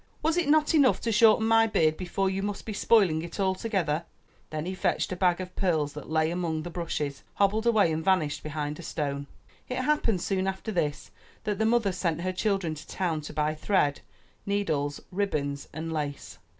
Was it not enough to shorten my beard before but you must be spoil ing it altogether?'' Then he fetched a bag of pearls that lay among the brushes, hobbled away and vanished behind a stone. It happened soon after this that the mother sent her children to town to buy thread, needles, ribbons and lace.